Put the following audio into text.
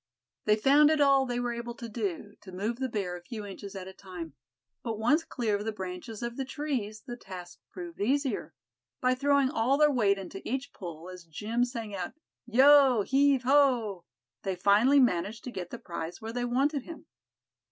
They found it all they were able to do, to move the bear a few inches at a time; but once clear of the branches of the trees, the task proved easier. By throwing all their weight into each pull, as Jim sang out: "yo heave o!" they finally managed to get the prize where they wanted him.